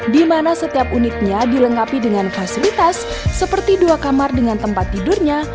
di mana setiap unitnya dilengkapi dengan fasilitas seperti dua kamar dengan tempat tidurnya